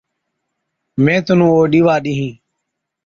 مين تنُون او ڏِيوا ڏِيهِين۔